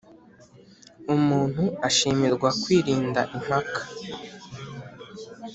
Umuntu ashimirwa kwirinda impaka